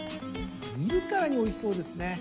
見るからにおいしそうですね。